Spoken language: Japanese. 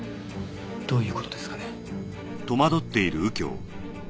どういう事ですかね？